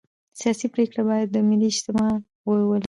سیاسي پرېکړې باید ملي اجماع ولري